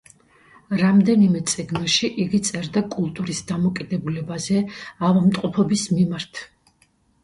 რამდენიმე წიგნში იგი წერდა კულტურის დამოკიდებულებაზე ავადმყოფობის მიმართ.